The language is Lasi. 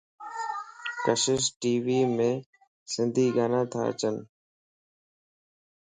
ڪشش ٽي ويم سنڌي گانا تا اچين